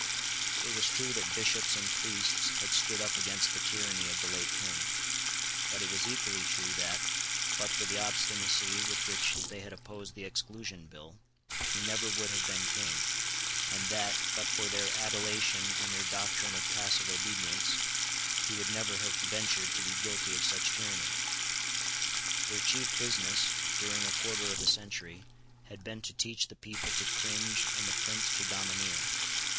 It was true that bishops and priests had stood up against the tyranny of the late King: but it was equally true that, but for the obstinacy with which they had opposed the Exclusion Bill, he never would have been King, and that, but for their adulation and their doctrine of passive obedience, he would never have ventured to be guilty of such tyranny. Their chief business, during a quarter of a century, had been to teach the people to cringe and the prince to domineer.